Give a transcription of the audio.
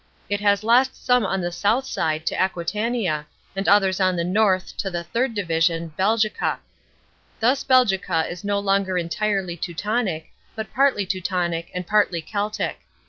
It has lost some on the south side to Aquitania, and others on the north to the third division, Belgica. Thus Belgica is no longer entirely Teutonic, but partly Teutonic and partly Celtic.